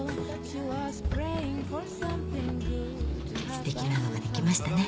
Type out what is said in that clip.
すてきなのができましたね。